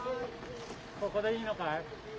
ここでいいのかい？